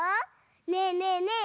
ねえねえねえ！